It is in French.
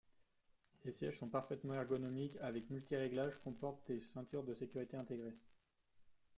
Les sièges sont parfaitement ergonomiques avec multi-réglages comportent des ceintures de sécurité intégrées.